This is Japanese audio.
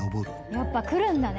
やっぱ来るんだね。